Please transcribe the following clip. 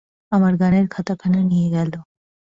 আমার গানের খাতাখানা নিয়ে গেল!